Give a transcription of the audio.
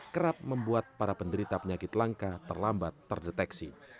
kerap membuat para penderita penyakit langka terlambat terdeteksi